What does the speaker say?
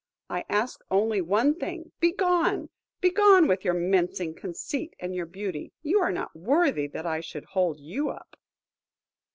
"I ask only one thing–Begone! Begone with your mincing conceit and your beauty, you are not worthy that I should hold you up."